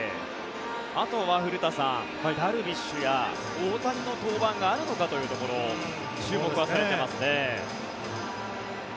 あとは古田さんダルビッシュや大谷の登板があるのかというところ注目を集めてますね。